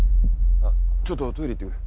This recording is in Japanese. ちょっとトイレ行って来る。